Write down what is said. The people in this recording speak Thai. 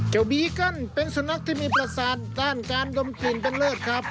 บีเกิ้ลเป็นสุนัขที่มีประสาทด้านการดมกลิ่นเป็นเลิศครับ